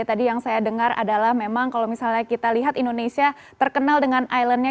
tadi yang saya dengar adalah memang kalau misalnya kita lihat indonesia terkenal dengan islandnya